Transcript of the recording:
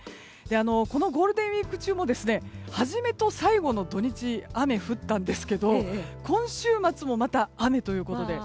このゴールデンウィーク中も始めと最後の土日雨が降ったんですが今週末もまた、雨ということで。